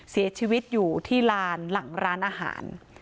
เสียชีวิตอยู่ที่ลานหลังร้านอาหาร